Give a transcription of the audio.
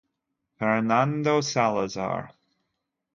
Fernando Salazar